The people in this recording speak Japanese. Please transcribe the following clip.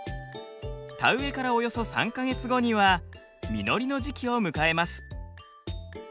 田植えからおよそ３か月後には実りの時期を迎えます。